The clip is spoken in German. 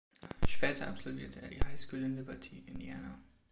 Später absolvierte er die High School in Liberty, Indiana.